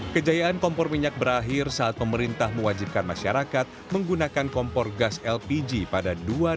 kejayaan kompor minyak berakhir saat pemerintah mewajibkan masyarakat menggunakan kompor gas lpg pada dua ribu dua puluh